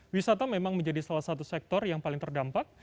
wisata memang menjadi salah satu sektor yang paling terdampak